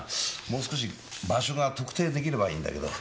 もう少し場所が特定できればいいんだけど。